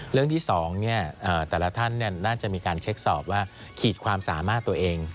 เรื่องที่๒แต่ละท่านน่าจะมีการเช็คสอบว่าขีดความสามารถตัวเอง